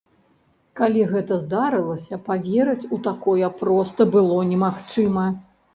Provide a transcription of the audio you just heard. Калі гэта здарылася, паверыць у такое проста было немагчыма.